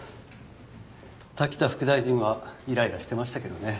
滝田副大臣はイライラしてましたけどね。